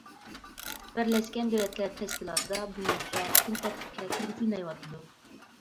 بىرلەشكەن دۆلەتلەر تەشكىلاتىدا بۇ مەسىلە كۈنتەرتىپكە كىرگۈزۈلمەيۋاتىدۇ.